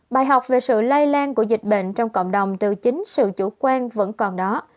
bài học về sự lây lan của dịch bệnh trong cộng đồng từ chính sự chủ quan vẫn còn đó